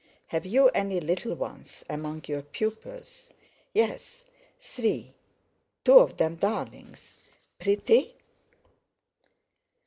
Have you any little ones among your pupils?" "Yes, three—two of them darlings." "Pretty?"